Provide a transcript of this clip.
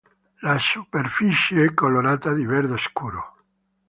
La superficie è colorata di verde-scuro.